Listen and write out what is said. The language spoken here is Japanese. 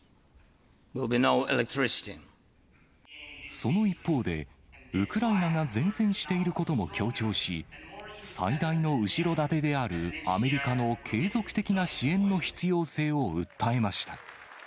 その一方で、ウクライナが善戦していることも強調し、最大の後ろ盾であるアメリカの継続的な支援の必要性を訴えました。